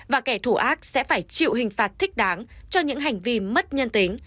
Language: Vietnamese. và kẻ thù ác sẽ phải chịu hình phạt thích đáng cho những hành vi mất nhân tính